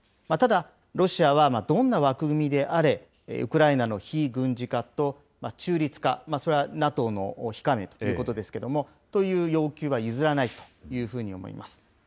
ただ、ロシアはどんな枠組みであれ、ウクライナの非軍事化と中立化、それはＮＡＴＯの非加盟ということですけれども、という要求は譲らないというふうに思います。